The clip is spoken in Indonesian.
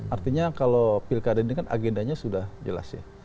artinya kalau pilkada ini kan agendanya sudah jelas ya